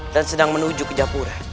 dan sedang menuju ke japura